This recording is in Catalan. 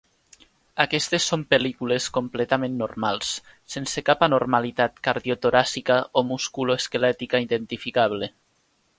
Aquestes són pel·lícules completament normals, sense cap anormalitat cardiotoràcica o musculoesquelètica identificable.